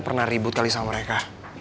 pernah ribut kali sama mereka